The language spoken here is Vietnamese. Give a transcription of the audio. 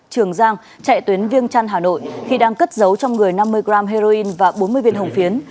trường giang chạy tuyến viêng trăn hà nội khi đang cất giấu trong người năm mươi g heroin và bốn mươi viên hồng phiến